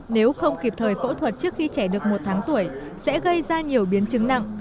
nếu không kịp thời phẫu thuật trước khi trẻ được một tháng tuổi sẽ gây ra nhiều biến chứng nặng